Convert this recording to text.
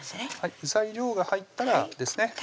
材料が入ったらですね